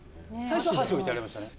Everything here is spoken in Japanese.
最初箸置いてありましたね。